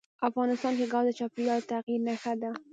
افغانستان کې ګاز د چاپېریال د تغیر نښه ده.